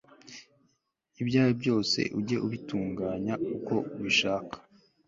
ibyawe byose ujye ubitunganya uko ubishaka